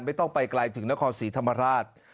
ไม่ต้องไปไกลถึงนครศรีธรรมราช